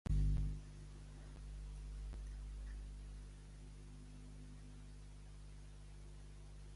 Corridos de Polinyà, tres per ací, quatre per allà.